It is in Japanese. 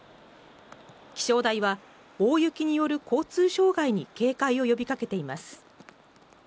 気象台は大雪による交通障害に警戒を呼びかけています。